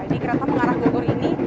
di kereta mengarah bogor ini